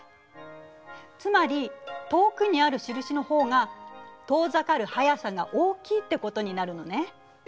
つまり遠くにある印の方が遠ざかる速さが大きいってことになるのね。